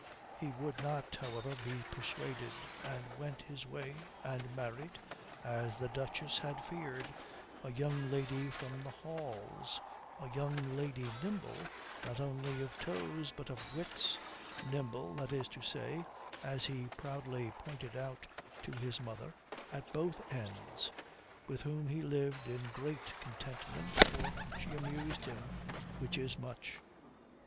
He would not, however, be persuaded, and went his way and married, as the Duchess had feared, a young lady from the halls a young lady nimble not only of toes but of wits, nimble, that is to say, as he proudly pointed out to his mother, at both ends, with whom he lived in great contentment, for she amused him, which is much.